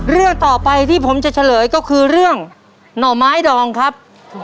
เรื่องต่อไปที่ผมจะเฉลยก็คือเรื่องหน่อไม้ดองครับ